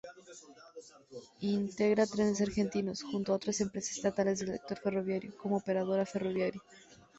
Integra Trenes Argentinos junto a otras empresas estatales del sector ferroviario, como Operadora Ferroviaria.